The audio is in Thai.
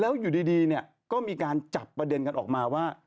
แล้วอยู่ดีเนี่ยก็มีการจับประเด็นกันออกมาว่า